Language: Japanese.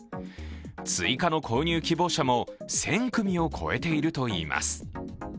追加の購入希望者も１０００組を超えているといいます。